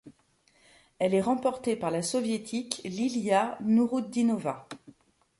Elle est remportée par la Soviétique Liliya Nurutdinova.